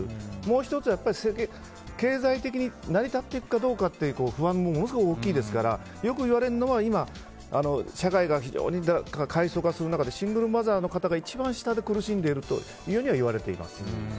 もう１つは、経済的に成り立っていくかどうかという不安もものすごく大きいですからよく言われるのは今、社会が非常に過疎化する中でシングルマザーの方が一番下で苦しんでいるといわれています。